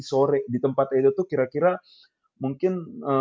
sore di tempat itu tuh kira kira mungkin